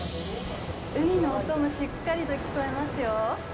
海の音もしっかり聞こえますよ。